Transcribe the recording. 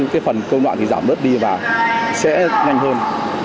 cái phần công đoạn thì giảm bớt đi và sẽ nhanh hơn